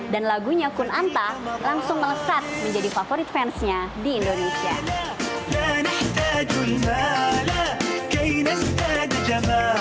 dan lagunya kun anta langsung melesat menjadi favorit fansnya di indonesia